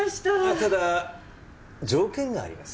ただ条件があります。